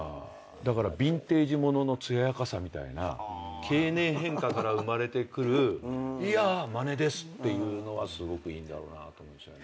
だからビンテージものの艶やかさみたいな経年変化から生まれてくる「いやまねです」っていうのはすごくいいんだろうなと思うんですよね。